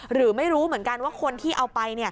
หรือไม่รู้เหมือนกันว่าคนที่เอาไป